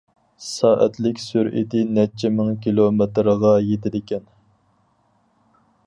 سائەتلىك سۈرئىتى نەچچە مىڭ كىلومېتىرغا يېتىدىكەن.